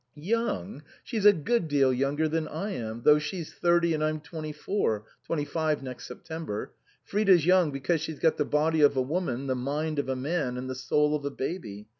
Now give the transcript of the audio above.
" Young ? She's a good deal younger than I am, though she's thirty and I'm twenty four twenty five next September. Frida's young because she's got the body of a woman, the mind of a man, and the soul of a baby.